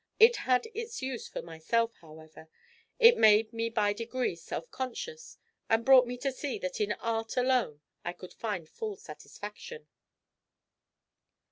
It had its use for myself, however; it made me by degrees self conscious, and brought me to see that in art alone I could find full satisfaction."